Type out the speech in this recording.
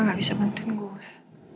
gak bisa bantuin gue